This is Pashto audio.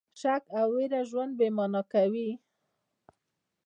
شک او ویره ژوند بې مانا کوي.